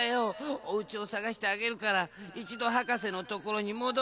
おうちをさがしてあげるからいちどはかせのところにもどろう。